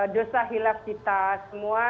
dosa hilaf kita semua